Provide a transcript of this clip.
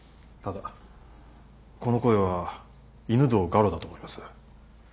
ただこの声は犬堂我路だと思います。